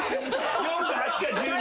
４か８か１２。